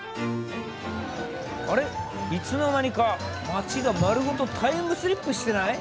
あれいつの間にか町が丸ごとタイムスリップしてない？